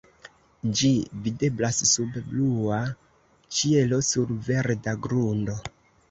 Ĝi videblas sub blua ĉielo sur verda grundo.